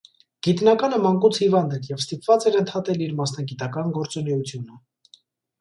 Գիտնականը մանկուց հիվանդ էր և ստիպված էր ընդհատել իր մասնագիտական գործունեությունը։